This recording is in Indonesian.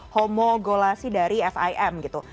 homogolasi dari fim gitu